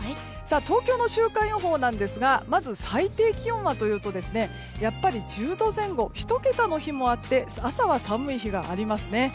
東京の週間予報なんですがまず最低気温はというとやっぱり１０度前後１桁の日もあって朝は寒い日がありますね。